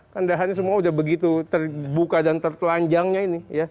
kan dahannya semua sudah begitu terbuka dan tertelanjangnya ini